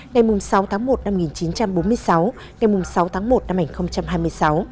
ngày sáu tháng một năm một nghìn chín trăm bốn mươi sáu ngày sáu tháng một năm hai nghìn hai mươi sáu